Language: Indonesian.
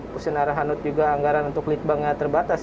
pusenara hanut juga anggaran untuk lead banknya terbatas